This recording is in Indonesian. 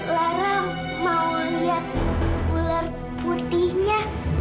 larang mau lihat ular putihnya